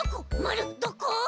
まるどこ！？